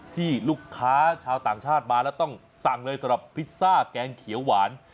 ที่ลูกค้าชาวต่างชาติมาแล้วต้องสั่งเลยสำหรับพิซซ่าแกงเขียวหวาน